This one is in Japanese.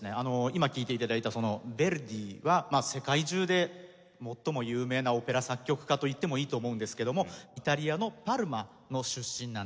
今聴いて頂いたヴェルディは世界中で最も有名なオペラ作曲家といってもいいと思うんですけどもイタリアのパルマの出身なんですね。